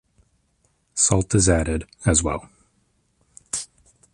Salt is added, as well.